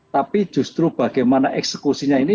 tapi justru bagaimana eksekusinya ini